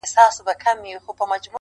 پۀ منظرو ميين دي